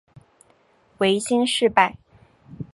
维新事败。